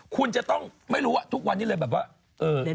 คุณที่ต้องไม่รู้ควรแบบเลย